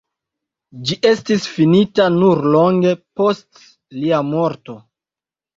Ĝi estis finita nur longe post lia morto.